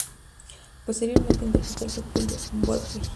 Posteriormente interpretó el papel en Broadway.